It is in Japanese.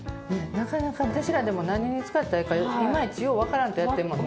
なかなか私らでも何に使ったらいいかイマイチよう分からんとやってるもんね